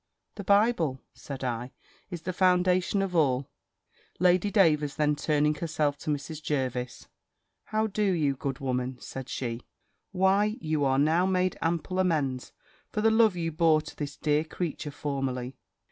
"The Bible," said I, "is the foundation of all." Lady Davers then turning herself to Mrs. Jervis "How do you, good woman?" said she. "Why you are now made ample amends for the love you bore to this dear creature formerly."